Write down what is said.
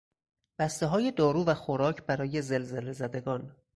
بستههای دارو و خوراک برای زلزله زدگان